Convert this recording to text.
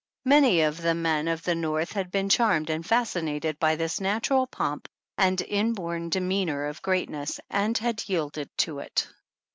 Many of the men of the North had been charmed and fascinated by this natural pomp and inborn demeanor of greatness and had yielded to it.